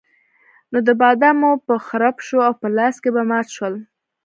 نو د بادامو به خرپ شو او په لاس کې به مات شول.